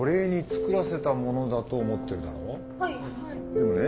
でもね